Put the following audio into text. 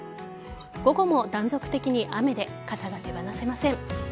午後も断続的に雨で傘が手放せません。